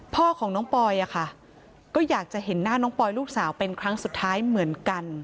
พ่อของน้องปอยอะค่ะก็อยากจะเห็นหน้าน้องปอยลูกสาวเป็นครั้งสุดท้ายเหมือนกัน